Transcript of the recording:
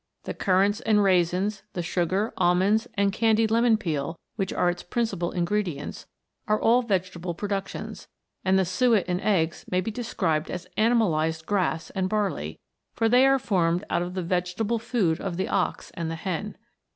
The currants and raisins, the sugar, almonds, and candied lemon peel which are its principal ingredients, are all vegetable productions ; and the suet and eggs may be described as animalized grass and barley, for they are formed out of the vegetable food of the ox and the hen.